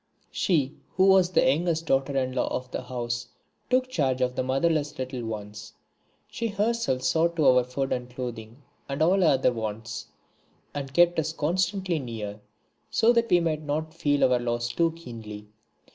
She who was the youngest daughter in law of the house took charge of the motherless little ones. She herself saw to our food and clothing and all other wants, and kept us constantly near, so that we might not feel our loss too keenly.